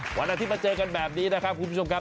หวังนะที่มาเจอกันแบบนี้ผู้ชมครับ